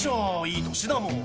いい年だもん。